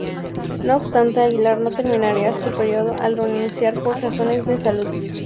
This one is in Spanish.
No obstante Aguilar no terminaría su período al renunciar por razones de salud.